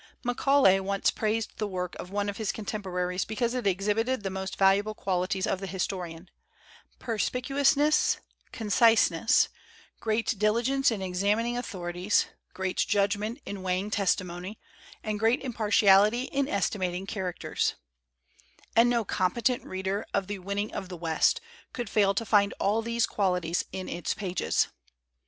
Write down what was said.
Macaulay once praised the work of one of his contemporaries because it exhibited the most valuable qualities of the historian, "perspicu ousness, conciseness, great diligence in examin ing authorities, great judgment in weighing tes timony, and great impartiality in estimating characters"; and no competent reader of the 'Winning of the West' could fail to find all these qualities in its pages.